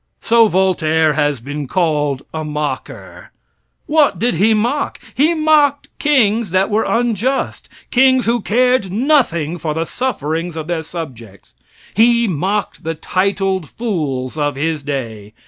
So Voltaire has been called a mocker! What did he mock? He mocked kings that were unjust; kings who cared nothing for the sufferings of their subjects. He mocked the titled fools of his day.